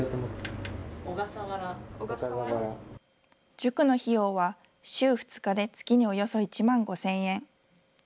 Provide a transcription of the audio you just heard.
塾の費用は週２日で月におよそ１万５０００円。